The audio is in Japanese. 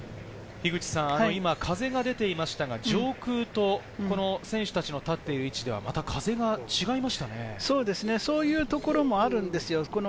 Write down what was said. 今、風が出ていましたが、上空と選手たちの立っている位置ではまそうですね、そういうところもあるんですよ。